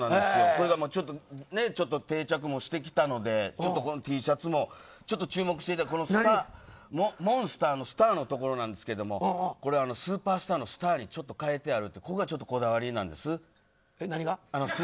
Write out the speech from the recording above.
ちょっとこれが定着してきたのでこのＴシャツもちょっと注目してモンスターのスターの所なんですけどスーパースターのスターに変えてあるということがこだわりなんです。